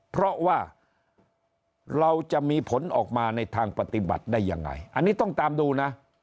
เพราะว่าเราจะมีผลออกมาในทางปฏิบัติได้ยังไงอันนี้ต้องตามดูนะ